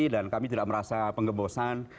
dan kami tidak merasa pengembosan